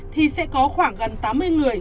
thì sẽ có khoảng gần tám mươi người